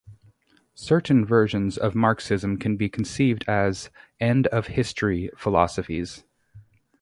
Certain versions of Marxism can be conceived as "end of history" philosophies.